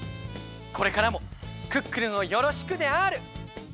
これからも「クックルン」をよろしくである！